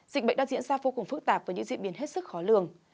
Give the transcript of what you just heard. dịch bệnh đã diễn ra vô cùng phức tạp với những diễn biến hết sức khó lường